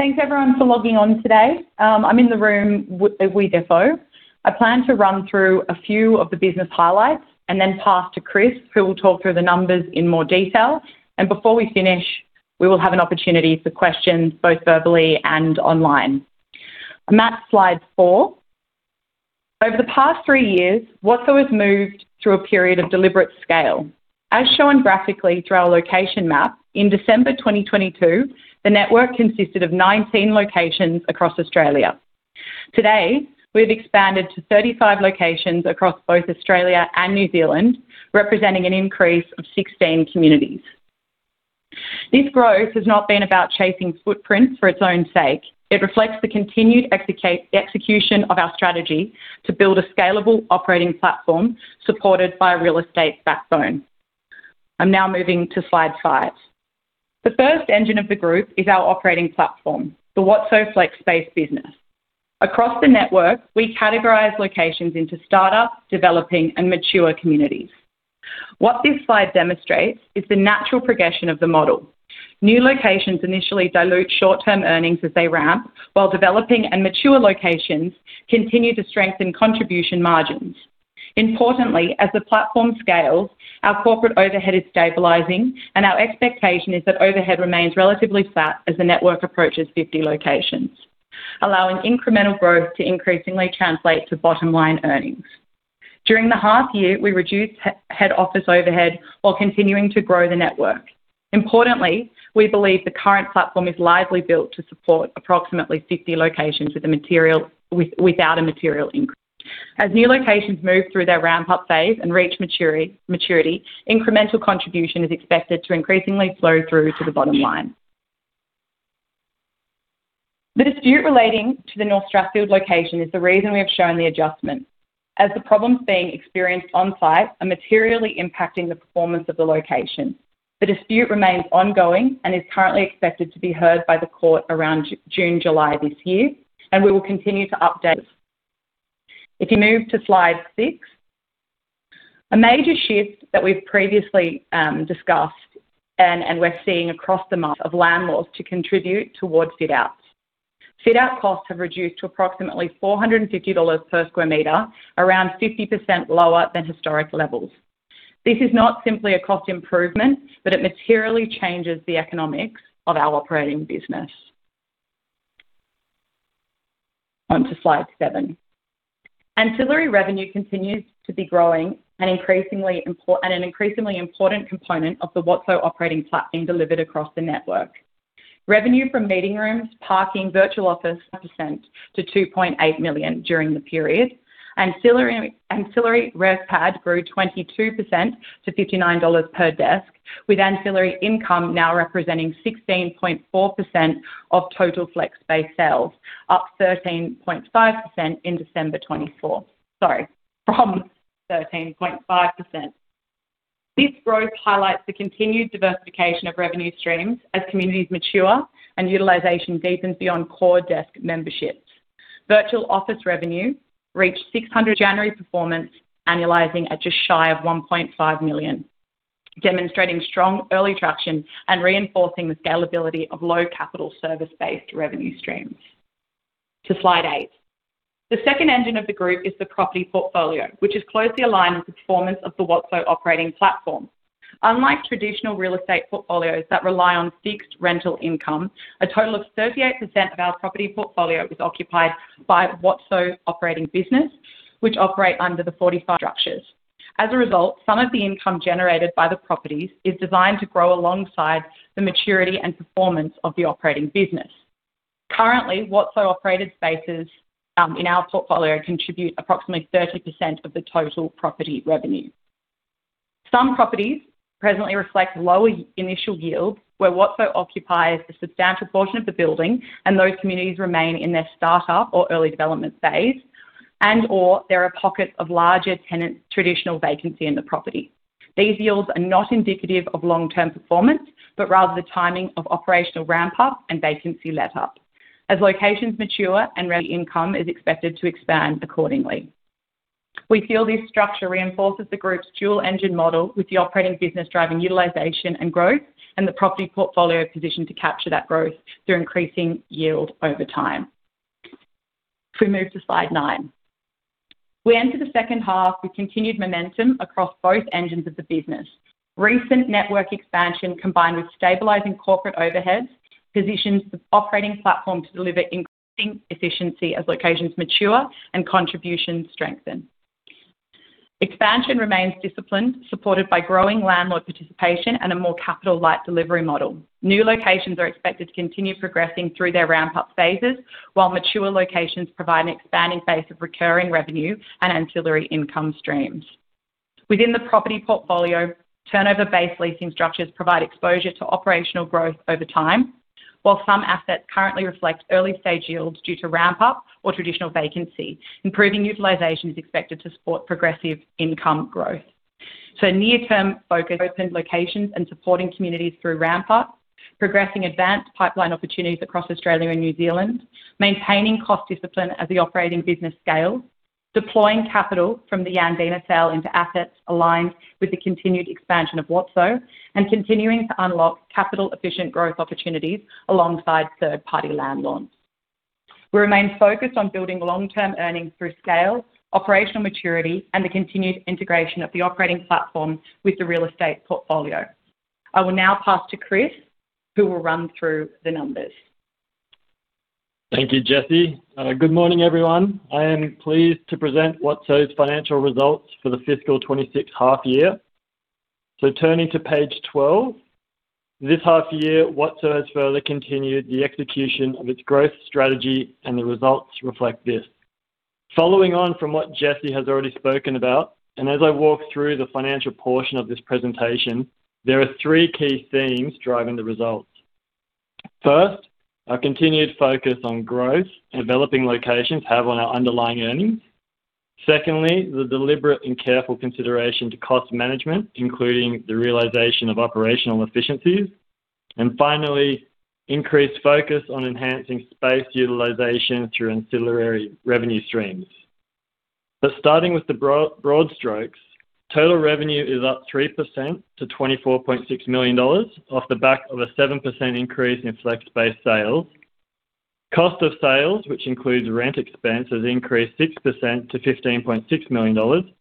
Thanks everyone for logging on today. I'm in the room with Fo. I plan to run through a few of the business highlights and then pass to Chris, who will talk through the numbers in more detail. Before we finish, we will have an opportunity for questions, both verbally and online. Map slide four. Over the past three years, WOTSO has moved through a period of deliberate scale. As shown graphically through our location map, in December 2022, the network consisted of 19 locations across Australia. Today, we've expanded to 35 locations across both Australia and New Zealand, representing an increase of 16 communities. This growth has not been about chasing footprints for its own sake. It reflects the continued execution of our strategy to build a scalable operating platform supported by a real estate backbone. I'm now moving to slide five. The first engine of the group is our operating platform, the WOTSO FlexSpace business. Across the network, we categorize locations into startup, developing, and mature communities. What this slide demonstrates is the natural progression of the model. New locations initially dilute short-term earnings as they ramp, while developing and mature locations continue to strengthen contribution margins. Importantly, as the platform scales, our corporate overhead is stabilizing, and our expectation is that overhead remains relatively flat as the network approaches 50 locations, allowing incremental growth to increasingly translate to bottom line earnings. During the half year, we reduced head office overhead while continuing to grow the network. Importantly, we believe the current platform is lively built to support approximately 50 locations without a material increase. As new locations move through their ramp-up phase and reach maturity, maturity, incremental contribution is expected to increasingly flow through to the bottom line. The dispute relating to the North Strathfield location is the reason we have shown the adjustment, as the problems being experienced on site are materially impacting the performance of the location. The dispute remains ongoing and is currently expected to be heard by the court around June, July this year. We will continue to update. If you move to slide six. A major shift that we've previously discussed and we're seeing across the market of landlords to contribute towards fit outs. Fit out costs have reduced to approximately 450 dollars per square meter, around 50% lower than historic levels. This is not simply a cost improvement, but it materially changes the economics of our operating business. On to slide seven. Ancillary revenue continues to be growing and an increasingly important component of the WOTSO operating platform being delivered across the network. Revenue from meeting rooms, parking, Virtual Office, percent to 2.8 million during the period. Ancillary RevPAD grew 22% to 59 dollars per desk, with ancillary income now representing 16.4% of total flex space sales, up 13.5% in December 2024. Sorry, from 13.5%. This growth highlights the continued diversification of revenue streams as communities mature and utilization deepens beyond core desk memberships. Virtual Office revenue reached 600,000 January performance, annualizing at just shy of 1.5 million, demonstrating strong early traction and reinforcing the scalability of low capital service-based revenue streams. To slide eight. The second engine of the group is the property portfolio, which is closely aligned with the performance of the WOTSO operating platform. Unlike traditional real estate portfolios that rely on fixed rental income, a total of 38% of our property portfolio is occupied by WOTSO operating business, which operate under the 45 structures. As a result, some of the income generated by the properties is designed to grow alongside the maturity and performance of the operating business. Currently, WOTSO-operated spaces in our portfolio contribute approximately 30% of the total property revenue. Some properties presently reflect lower initial yields, where WOTSO occupies a substantial portion of the building and those communities remain in their startup or early development phase, and/or there are pockets of larger tenant traditional vacancy in the property. These yields are not indicative of long-term performance, but rather the timing of operational ramp-up and vacancy letup. As locations mature income is expected to expand accordingly. We feel this structure reinforces the group's dual engine model, with the operating business driving utilization and growth, and the property portfolio positioned to capture that growth through increasing yield over time. If we move to slide nine. We enter the second half with continued momentum across both engines of the business. Recent network expansion, combined with stabilizing corporate overhead, positions the operating platform to deliver increasing efficiency as locations mature and contributions strengthen. Expansion remains disciplined, supported by growing landlord participation and a more capital-light delivery model. New locations are expected to continue progressing through their ramp-up phases, while mature locations provide an expanding base of recurring revenue and ancillary income streams. Within the property portfolio, turnover-based leasing structures provide exposure to operational growth over time. While some assets currently reflect early-stage yields due to ramp-up or traditional vacancy, improving utilization is expected to support progressive income growth. Near-term focus- opened locations and supporting communities through ramp-up, progressing advanced pipeline opportunities across Australia and New Zealand, maintaining cost discipline as the operating business scales. Deploying capital from the Yandina sale into assets aligned with the continued expansion of WOTSO, and continuing to unlock capital-efficient growth opportunities alongside third-party landlords. We remain focused on building long-term earnings through scale, operational maturity, and the continued integration of the operating platform with the real estate portfolio. I will now pass to Chris, who will run through the numbers. Thank you, Jesse. good morning, everyone. I am pleased to present WOTSO's financial results for the Fiscal 2026 half year. Turning to page 12, this half year, WOTSO has further continued the execution of its growth strategy, and the results reflect this. Following on from what Jesse has already spoken about, as I walk through the financial portion of this presentation, there are three key themes driving the results. First, our continued focus on growth developing locations have on our underlying earnings. Secondly, the deliberate and careful consideration to cost management, including the realization of operational efficiencies. Finally, increased focus on enhancing space utilization through ancillary revenue streams. Starting with the broad strokes, total revenue is up 3% to 24.6 million dollars, off the back of a 7% increase in flex-based sales. Cost of sales, which includes rent expense, has increased 6% to $15.6 million.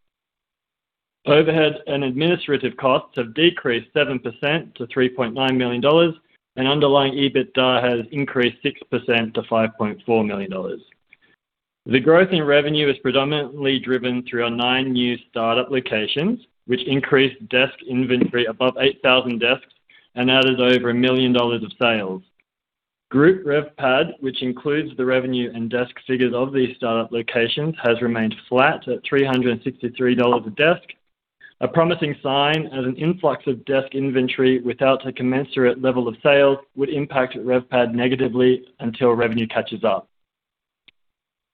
Overhead and administrative costs have decreased 7% to $3.9 million, and underlying EBITDA has increased 6% to $5.4 million. The growth in revenue is predominantly driven through our nine new startup locations, which increased desk inventory above 8,000 desks and added over $1 million of sales. Group RevPAD, which includes the revenue and desk figures of these startup locations, has remained flat at $363 a desk. A promising sign as an influx of desk inventory without a commensurate level of sales would impact RevPAD negatively until revenue catches up.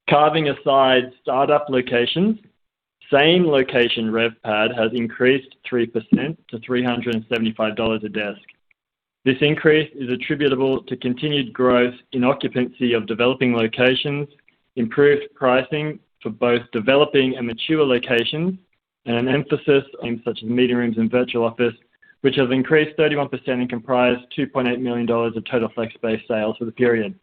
Carving aside startup locations, same-location RevPAD has increased 3% to $375 a desk. This increase is attributable to continued growth in occupancy of developing locations, improved pricing for both developing and mature locations, and an emphasis on such as meeting rooms and Virtual Office, which have increased 31% and comprised 2.8 million dollars of total flex space sales for the period.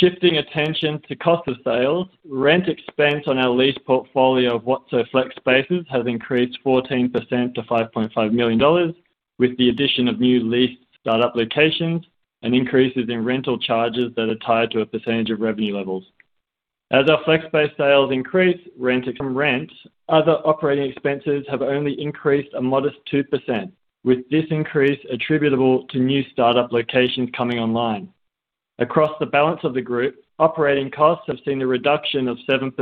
Shifting attention to cost of sales, rent expense on our lease portfolio of WOTSO FlexSpace has increased 14% to 5.5 million dollars, with the addition of new leased startup locations and increases in rental charges that are tied to a percentage of revenue levels. As our flex space sales increase, from rent, other operating expenses have only increased a modest 2%, with this increase attributable to new startup locations coming online. Across the balance of the group, operating costs have seen a reduction of 7%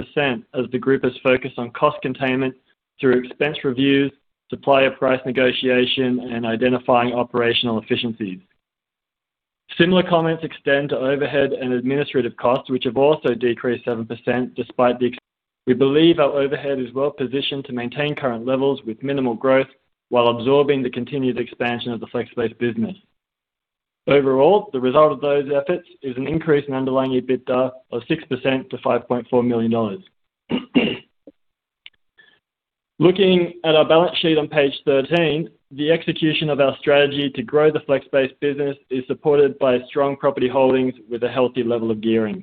as the group has focused on cost containment through expense reviews, supplier price negotiation, and identifying operational efficiencies. Similar comments extend to overhead and administrative costs, which have also decreased 7%. We believe our overhead is well positioned to maintain current levels with minimal growth while absorbing the continued expansion of the flex space business. Overall, the result of those efforts is an increase in underlying EBITDA of 6% to 5.4 million dollars. Looking at our balance sheet on page 13, the execution of our strategy to grow the flex space business is supported by strong property holdings with a healthy level of gearing.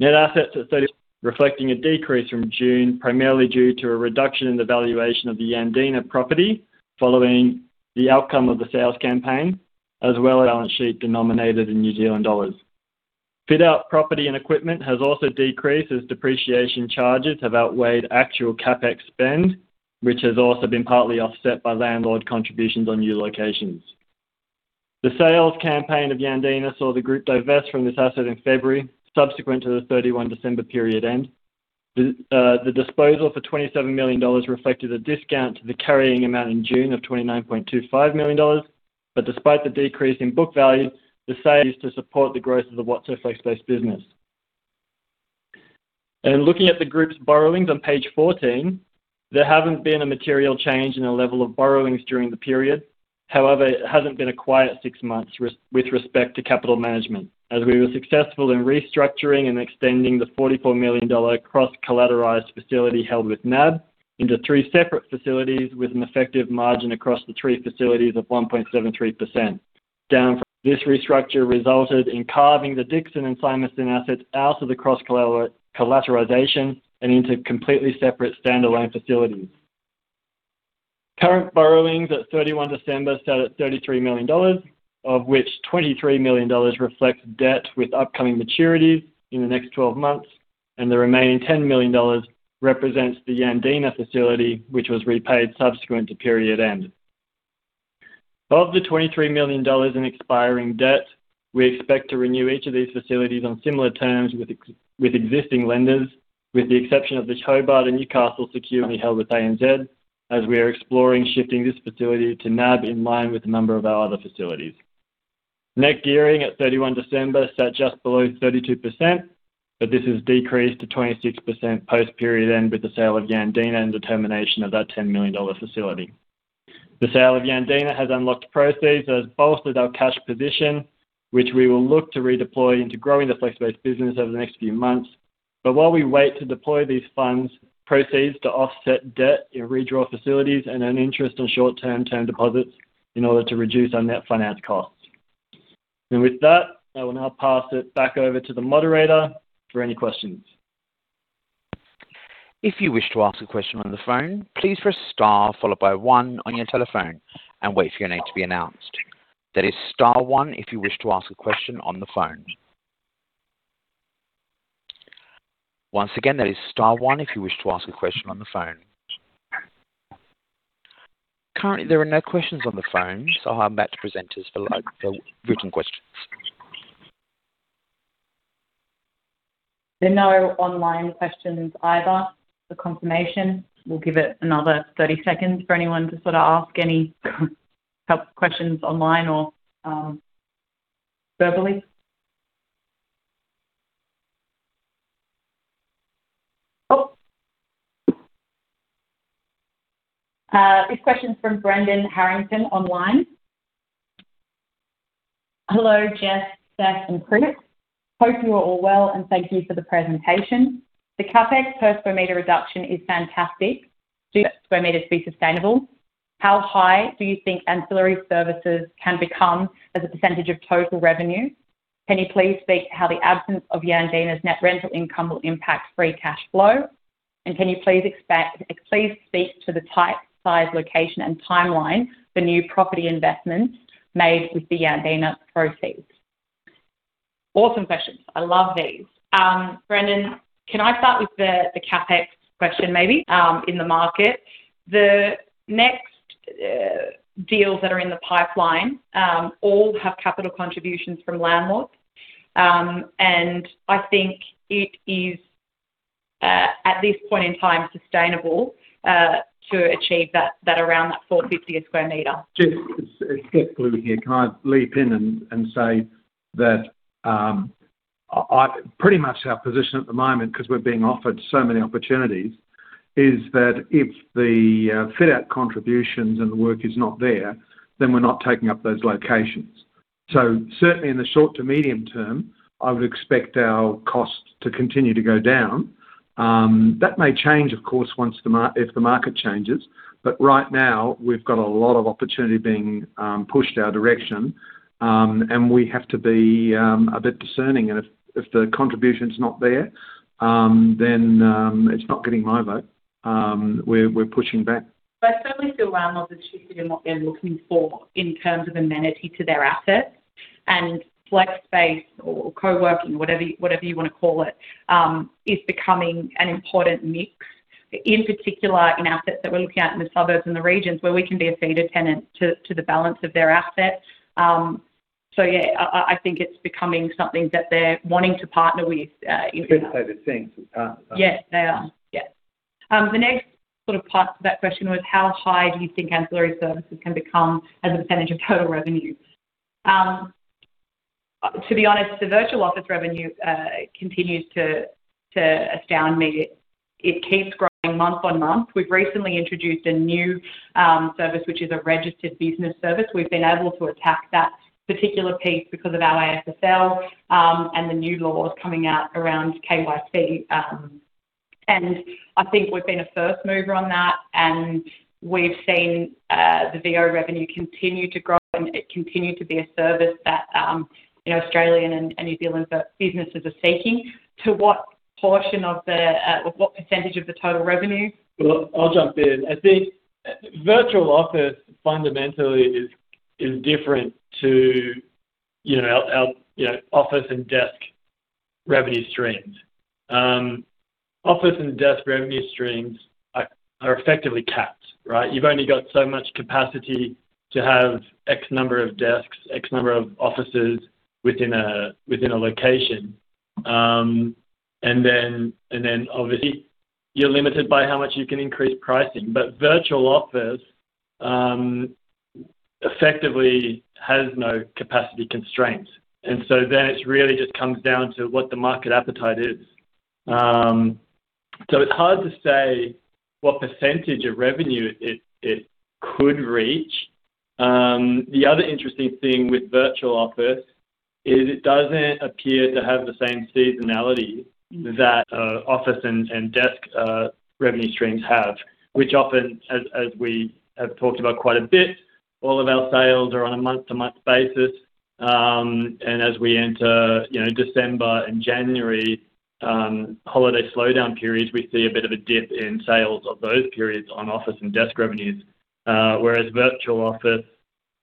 Net assets are 30, reflecting a decrease from June, primarily due to a reduction in the valuation of the Yandina property following the outcome of the sales campaign, as well as balance sheet denominated in New Zealand dollars. Fit-out property and equipment has also decreased as depreciation charges have outweighed actual CapEx spend, which has also been partly offset by landlord contributions on new locations. The sales campaign of Yandina saw the group divest from this asset in February, subsequent to the 31 December period end. The disposal for 27 million dollars reflected a discount to the carrying amount in June of 29.25 million dollars. Despite the decrease in book value, the sale is to support the growth of the WOTSO FlexSpace business. Looking at the group's borrowings on page 14, there haven't been a material change in the level of borrowings during the period. However, it hasn't been a quiet six months with respect to capital management, as we were successful in restructuring and extending the 44 million dollar cross-collateralized facility held with NAB into three separate facilities, with an effective margin across the three facilities of 1.73%. This restructure resulted in carving the Dickson and Symonston assets out of the cross-collateralization and into completely separate standalone facilities. Current borrowings at 31 December sat at AUD 33 million, of which AUD 23 million reflects debt with upcoming maturities in the next 12 months, and the remaining AUD 10 million represents the Yandina facility, which was repaid subsequent to period end. Of the $23 million in expiring debt, we expect to renew each of these facilities on similar terms with existing lenders, with the exception of the Hobart and Newcastle securely held with ANZ, as we are exploring shifting this facility to NAB in line with a number of our other facilities. Net gearing at 31 December sat just below 32%, this has decreased to 26% post-period end with the sale of Yandina and the termination of that $10 million facility. The sale of Yandina has unlocked proceeds that has bolstered our cash position, which we will look to redeploy into growing the flex space business over the next few months. While we wait to deploy these funds, proceeds to offset debt in redraw facilities and earn interest on short-term term deposits in order to reduce our net finance costs. With that, I will now pass it back over to the moderator for any questions. If you wish to ask a question on the phone, please press star followed by one on your telephone and wait for your name to be announced. That is star one, if you wish to ask a question on the phone. Once again, that is star one, if you wish to ask a question on the phone. Currently, there are no questions on the phone, I'll hand back to presenters for written questions. There are no online questions either, for confirmation. We'll give it another 30 seconds for anyone to sort of ask any help, questions online or verbally. Oh! This question is from Brendan Harrington online. Hello, Jess, Stuart, and Chris. Hope you are all well, and thank you for the presentation. The CapEx per square meter reduction is fantastic. Do square meters be sustainable? How high do you think ancillary services can become as a percentage of total revenue? Can you please speak to how the absence of Yandina's net rental income will impact free cash flow? And can you please speak to the type, size, location, and timeline for new property investments made with the Yandina proceeds. Awesome questions. I love these. Brendan, can I start with the, the CapEx question, maybe, in the market? The next deals that are in the pipeline, all have capital contributions from landlords. I think it is at this point in time, sustainable, to achieve that around 450 a square meter. Jess, it's, it's Stuart Glew here. Can I leap in and say that pretty much our position at the moment, 'cause we're being offered so many opportunities, is that if the fit-out contributions and the work is not there, then we're not taking up those locations. Certainly in the short to medium term, I would expect our costs to continue to go down. That may change, of course, once the market changes, but right now, we've got a lot of opportunity being pushed our direction, and we have to be a bit discerning. If the contribution's not there, then it's not getting my vote. We're pushing back. I certainly feel landlords are choosing what they're looking for in terms of amenity to their assets. Flex space or coworking, whatever you, whatever you want to call it, is becoming an important mix, in particular in assets that we're looking at in the suburbs and the regions where we can be a feeder tenant to, to the balance of their assets. Yeah, I think it's becoming something that they're wanting to partner with, in You could say they're seeing. Yes, they are. Yes. The next sort of part to that question was, how high do you think ancillary services can become as a % of total revenue? To be honest, the Virtual Office revenue continues to astound me. It, it keeps growing month on month. We've recently introduced a new service, which is a registered business service. We've been able to attack that particular piece because of our AFSL and the new laws coming out around KYC. I think we've been a first mover on that, and we've seen the VO revenue continue to grow, and it continue to be a service that, you know, Australian and New Zealand businesses are seeking. To what portion of the, what % of the total revenue? Well, I'll jump in. I think, Virtual Office fundamentally is, is different to, you know, our you know, office and desk revenue streams. Office and desk revenue streams are, are effectively capped, right? You've only got so much capacity to have X number of desks, X number of offices within a, within a location. Obviously, you're limited by how much you can increase pricing. Virtual Office, effectively has no capacity constraints, and so then it really just comes down to what the market appetite is. It's hard to say what % of revenue it could reach. The other interesting thing with Virtual Office is it doesn't appear to have the same seasonality that office and, and desk revenue streams have, which often, as, as we have talked about quite a bit, all of our sales are on a month-to-month basis. As we enter, you know, December and January, holiday slowdown periods, we see a bit of a dip in sales of those periods on office and desk revenues, whereas Virtual Office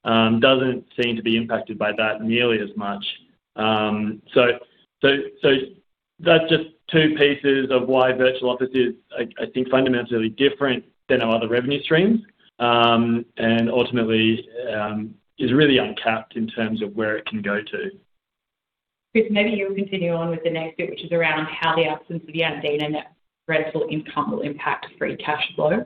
doesn't seem to be impacted by that nearly as much. That's just two pieces of why Virtual Office is I think, fundamentally different than our other revenue streams, and ultimately, is really uncapped in terms of where it can go to. Chris, maybe you'll continue on with the next bit, which is around how the absence of the Yandina net rental income will impact free cash flow.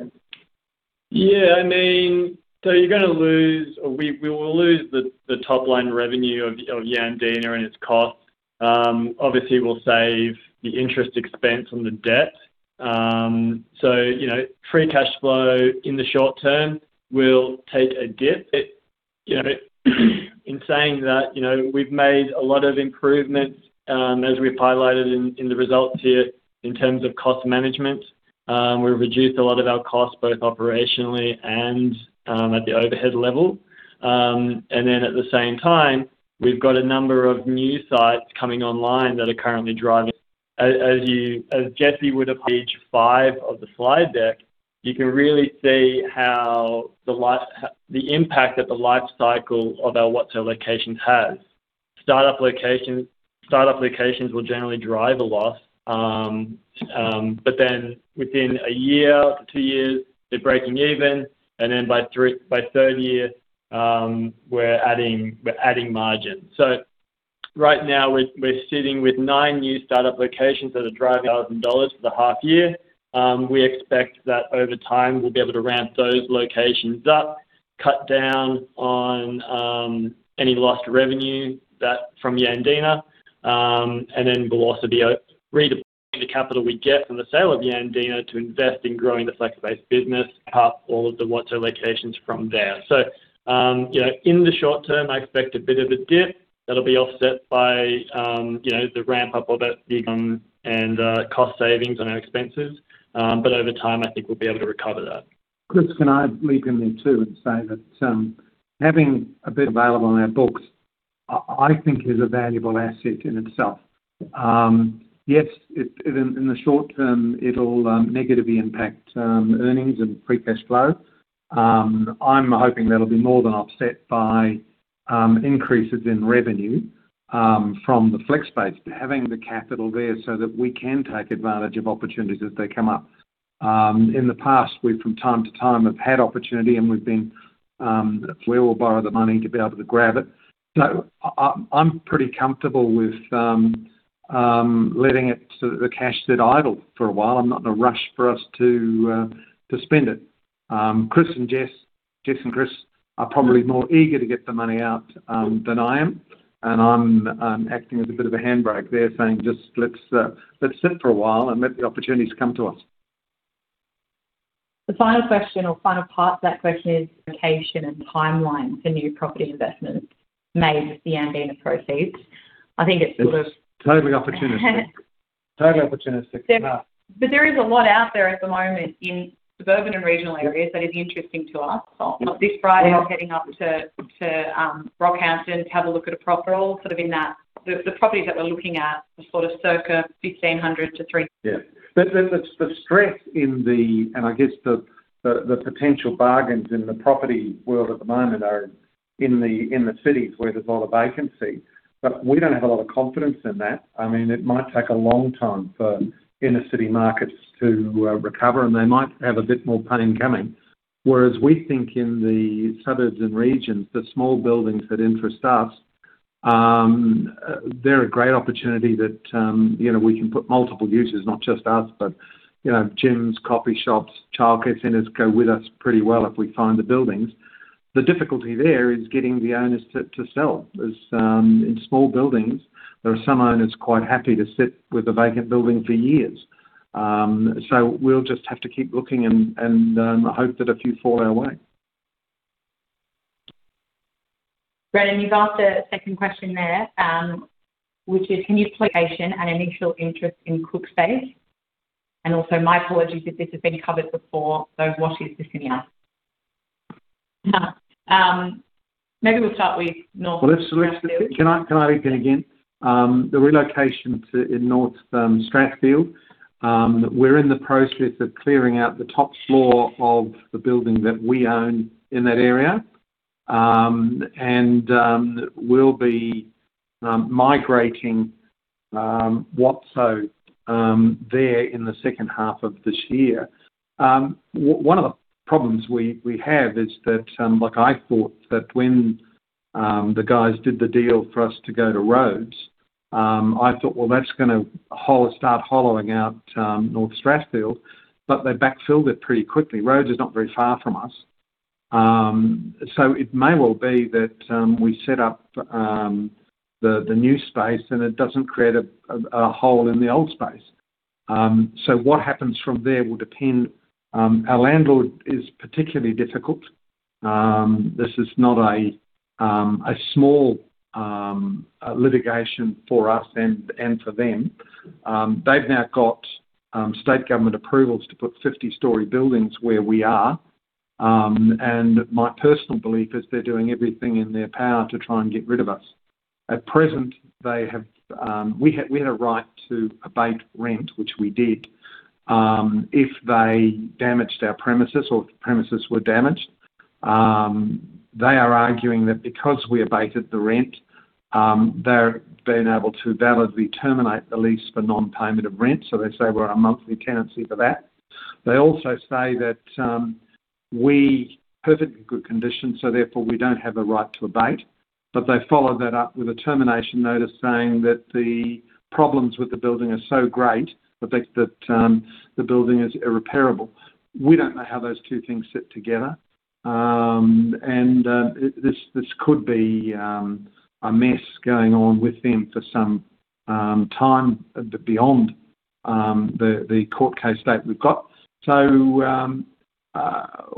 Yeah, I mean, we, we will lose the, the top line revenue of, of Yandina and its costs. Obviously, we'll save the interest expense on the debt. You know, free cash flow in the short term will take a dip. It, you know, in saying that, you know, we've made a lot of improvements, as we've highlighted in, in the results here, in terms of cost management. We've reduced a lot of our costs, both operationally and at the overhead level. At the same time, we've got a number of new sites coming online that are currently driving. As Jesse would have, page five of the slide deck, you can really see how the impact that the life cycle of our WOTSO locations has. Startup locations, startup locations will generally drive a loss, but then within one year, two years, they're breaking even, and then by third year, we're adding margin. Right now, we're sitting with nine new startup locations that are driving 1,000 dollars for the half year. We expect that over time, we'll be able to ramp those locations up, cut down on any lost revenue that from Yandina. Then we'll also be redeploying the capital we get from the sale of Yandina to invest in growing the flex space business, apart all of the WOTSO locations from there. You know, in the short term, I expect a bit of a dip that'll be offset by, you know, the ramp-up of that deal and cost savings on our expenses. Over time, I think we'll be able to recover that. Chris, can I leap in there, too, and say that having a bit available on our books, I, I think is a valuable asset in itself. Yes, it, in, in the short term, it'll negatively impact earnings and free cash flow. I'm hoping that'll be more than offset by increases in revenue from the flex space, to having the capital there so that we can take advantage of opportunities as they come up. In the past, we've from time to time, have had opportunity, and we've been, we will borrow the money to be able to grab it. I'm pretty comfortable with letting it, sort of, the cash sit idle for a while. I'm not in a rush for us to to spend it. Chris and Jess, Jess and Chris, are probably more eager to get the money out than I am, and I'm, I'm acting as a bit of a handbrake there, saying, "Just let's, let's sit for a while and let the opportunities come to us. The final question or final part of that question is, location and timeline for new property investments made with the Yandina proceeds. I think it's- It is totally opportunistic. Totally opportunistic. There is a lot out there at the moment in suburban and regional areas that is interesting to us. This Friday, I'm heading up to Rockhampton to have a look at a proper. All sort of in that, The properties that we're looking at are sort of circa 1,500 to 3- Yeah. The strength in the I guess the potential bargains in the property world at the moment are in the cities where there's a lot of vacancy. We don't have a lot of confidence in that. I mean, it might take a long time for inner city markets to recover, and they might have a bit more pain coming. We think in the suburbs and regions, the small buildings that interest us, they're a great opportunity that, you know, we can put multiple users, not just us, but, you know, gyms, coffee shops, childcare centers go with us pretty well if we find the buildings. The difficulty there is getting the owners to, to sell. In small buildings, there are some owners quite happy to sit with a vacant building for years. We'll just have to keep looking and, and, hope that a few fall our way. Brennan, you've asked a second question there, which is, can you location and initial interest in CookSpace? Also, my apologies if this has been covered before, those washes to senior. Maybe we'll start with North. Well, if so can I, can I begin again? The relocation to, in North Strathfield, we're in the process of clearing out the top floor of the building that we own in that area. We'll be migrating WOTSO there in the second half of this year. O-one of the problems we, we have is that, like I thought that when the guys did the deal for us to go to Rhodes, I thought, well, that's gonna hol start hollowing out North Strathfield. They backfilled it pretty quickly. Rhodes is not very far from us. It may well be that we set up the, the new space, and it doesn't create a hole in the old space. What happens from there will depend, our landlord is particularly difficult. This is not a small litigation for us and, and for them. They've now got state government approvals to put 50-story buildings where we are, my personal belief is they're doing everything in their power to try and get rid of us. At present, they have, we had a right to abate rent, which we did. If they damaged our premises or if the premises were damaged, they are arguing that because we abated the rent, they're being able to validly terminate the lease for non-payment of rent, so they say we're a monthly tenancy for that. They also say that we... Perfectly good condition, so therefore, we don't have a right to abate. They followed that up with a termination notice, saying that the problems with the building are so great that the, the building is irreparable. We don't know how those two things sit together, and this, this could be a mess going on with them for some time beyond the, the court case date we've got.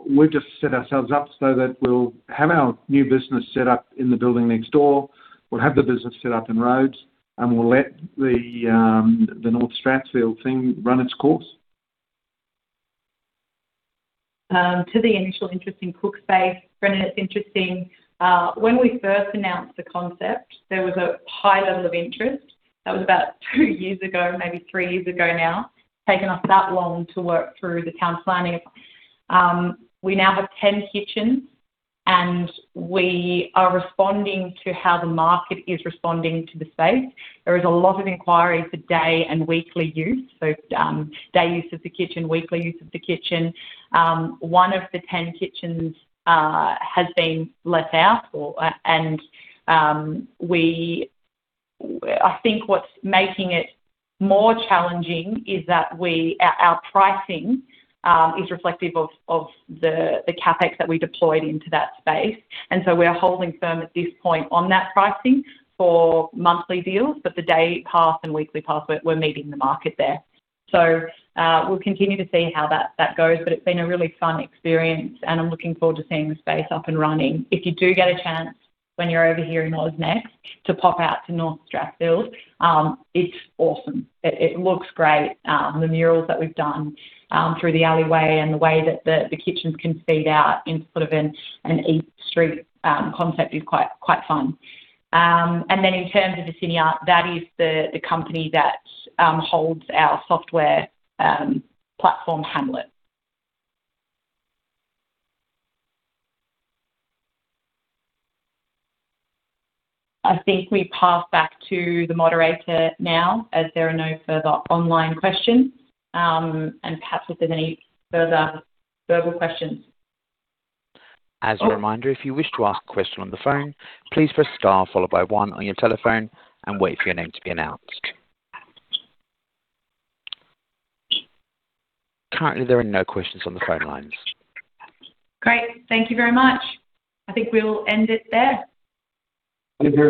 We've just set ourselves up so that we'll have our new business set up in the building next door. We'll have the business set up in Rhodes, and we'll let the, the North Strathfield thing run its course. To the initial interest in CookSpace, Brendan, it's interesting. When we first announced the concept, there was a high level of interest. That was about two years ago, maybe three years ago now. Taken us that long to work through the town planning. We now have 10 kitchens, and we are responding to how the market is responding to the space. There is a lot of inquiries for day and weekly use, so day use of the kitchen, weekly use of the kitchen. One of the 10 kitchens has been let out and I think what's making it more challenging is that we our pricing is reflective of the CapEx that we deployed into that space. We are holding firm at this point on that pricing for monthly deals, but the day pass and weekly pass, we're, we're meeting the market there. We'll continue to see how that, that goes, but it's been a really fun experience, and I'm looking forward to seeing the space up and running. If you do get a chance, when you're over here in Oz next, to pop out to North Strathfield, it's awesome. It, it looks great. The murals that we've done through the alleyway and the way that the, the kitchens can feed out in sort of an, an Eat Street concept is quite, quite fun. In terms of Hamlet, that is the, the company that holds our software platform, Hamlet. I think we pass back to the moderator now, as there are no further online questions. Perhaps if there's any further verbal questions. As a reminder, if you wish to ask a question on the phone, please press star followed by one on your telephone and wait for your name to be announced. Currently, there are no questions on the phone lines. Great. Thank you very much. I think we'll end it there. Thank you.